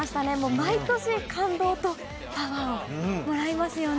毎年、感動とパワーをもらいますよね。